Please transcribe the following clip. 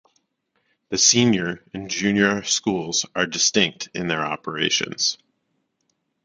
The senior and junior schools are distinct in their operations.